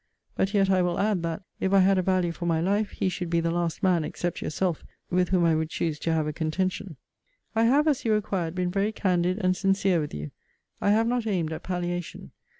But yet I will add, that, if I had a value for my life, he should be the last man, except yourself, with whom I would choose to have a contention. I have, as you required, been very candid and sincere with you. I have not aimed at palliation.